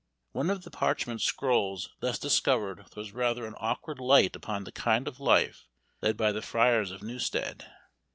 One of the parchment scrolls thus discovered, throws rather an awkward light upon the kind of life led by the friars of Newstead.